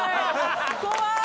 怖い！